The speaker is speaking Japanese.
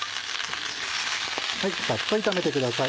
はいザッと炒めてください